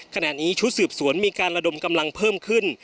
ขณะนี้ชุดสืบสวนมีการระดมกำลังเพิ่มขึ้น